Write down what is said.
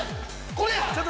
これや！